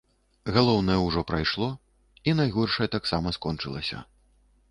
Галоўнае ўжо прайшло, і найгоршае таксама скончылася.